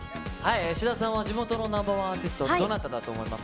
志田さんは地元のＮｏ．１アーティスト、どなただと思います